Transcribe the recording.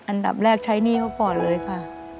อันดับแรกใช้หนี้เขาก่อนเลยค่ะ